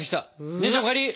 姉ちゃんお帰り。